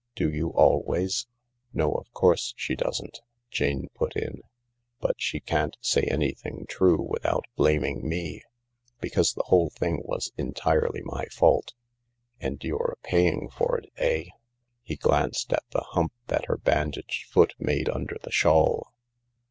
" Do you always ?"" No, of course she doesn't," Jane put in, " but she can't say anything true without blaming me, because the whole thing was entirely my fault." " And you're paying for it, eh ?" He glanced at the hump that her bandaged foot made under the shawl.